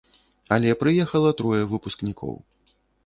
Але прыехала трое выпускнікоў.